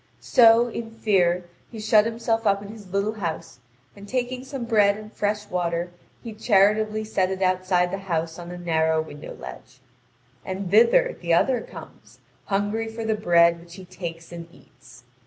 So, in fear, he shut himself up in his little house, and taking some bread and fresh water, he charitably set it outside the house on a narrow window ledge. And thither the other comes, hungry for the bread which he takes and eats.